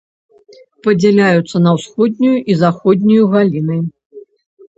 Падзяляюцца на ўсходнюю і заходнюю галіны.